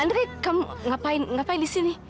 andre kamu ngapain ngapain di sini